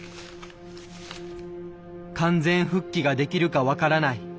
完全復帰ができるか分からない。